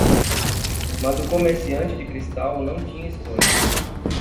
Mas o comerciante de cristal não tinha escolha.